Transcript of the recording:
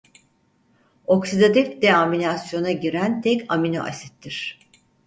Oksidatif deaminasyona giren tek aminoasittir.